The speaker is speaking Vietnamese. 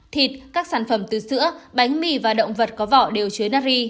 thịt các sản phẩm từ sữa bánh mì và động vật có vỏ đều chứa nát ri